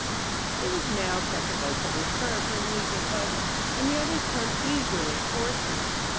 It was now Captain Bolsover's turn for an amusing puzzle, and the others turned eagerly towards him.